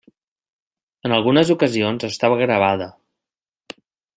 En algunes ocasions estava gravada.